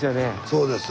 そうです。